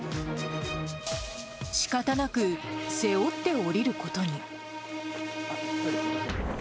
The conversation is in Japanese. しかたなく背負って降りることに。